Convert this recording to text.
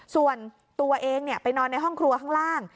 ส่วนตัวเองไปนอนในห้องครัวข้างล่าง